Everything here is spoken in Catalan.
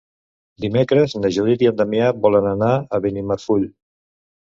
Dimecres na Judit i en Damià volen anar a Benimarfull.